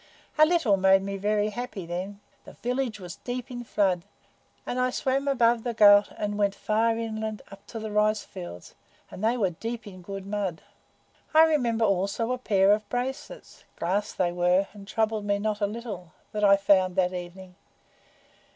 A little made me very happy then. The village was deep in flood, and I swam above the Ghaut and went far inland, up to the rice fields, and they were deep in good mud. I remember also a pair of bracelets (glass they were, and troubled me not a little) that I found that evening.